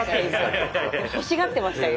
ほしがってましたよ